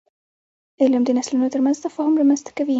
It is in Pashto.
علم د نسلونو ترمنځ تفاهم رامنځته کوي.